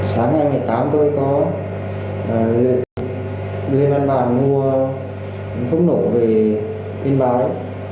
sáng ngày một mươi tám tôi có đưa lên bàn bàn mua thuốc nổ về yên bái